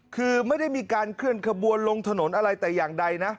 คือไม่ได้มีการเคลื่อนขบวนลงถนนอะไรแต่อย่างใดนะ